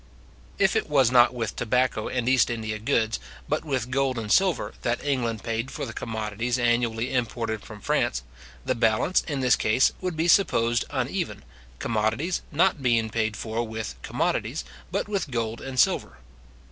If it was not with tobacco and East India goods, but with gold and silver, that England paid for the commodities annually imported from France, the balance, in this case, would be supposed uneven, commodities not being paid for with commodities, but with gold and silver.